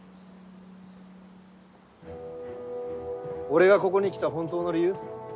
俺がここに来た本当の理由？